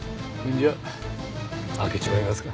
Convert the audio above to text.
んじゃ開けちまいますか。